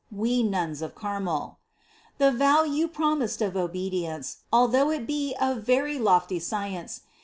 We Nuns of Carmel ! The vow you promised of obedience Although it be of very lofty science.